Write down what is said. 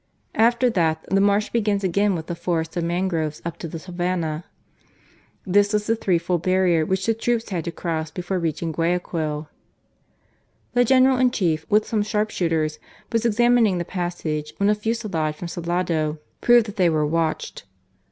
After that, the marsh begins again with the forest of mangroves up to the Savanah. This was the three fold barrier which the troops had to cross before reaching Guayaquil. The General in Chief, with some sharpshooters, was examining the passage, when a fusillade from Salado proved that they were watched.